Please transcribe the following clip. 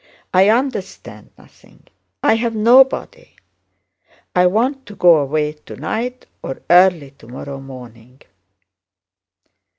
I understand nothing. I have nobody! I want to go away tonight or early tomorrow morning."